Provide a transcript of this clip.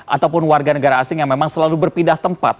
ataupun warga negara asing yang memang selalu berpindah tempat